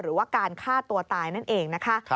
หรือว่าการฆ่าตัวตายนั่นเองนะคะ